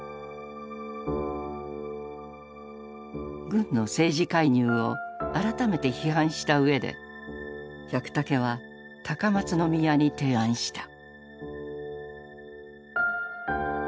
軍の政治介入を改めて批判したうえで百武は高松宮に提案した。